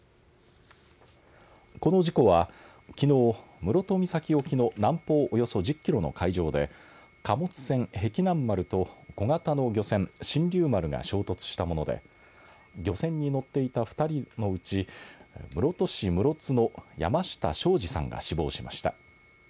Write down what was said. この事故はきのう室戸岬沖の南方およそ１０キロの海上で貨物船、碧南丸と小型の漁船神龍丸が衝突したもので漁船に乗っていた２人のうち室戸市室津の山下昭二さんが死亡しました。